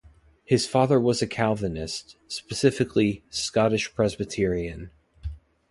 His father was a Calvinist, specifically, Scottish Presbyterian.